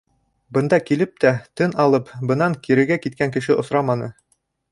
Бында килеп тә, тын алып, бынан кирегә киткән кеше осраманы.